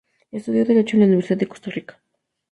Estudió derecho en la Universidad de Costa Rica.